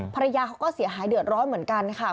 ภรรยาเขาก็เสียหายเดือดร้อนเหมือนกันค่ะ